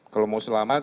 kalau mau selamat